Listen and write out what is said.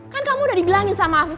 kan kamu udah dibilangin sama aku